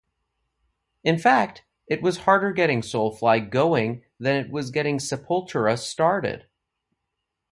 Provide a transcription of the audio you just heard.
In fact, it was harder getting Soulfly going than it was getting Sepultura started.